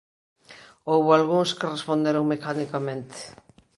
Houbo algúns que responderon mecanicamente.